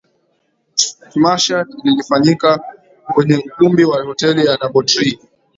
Tmasha lilifanyika kwenye ukumbi wa Hoteli ya Double Tree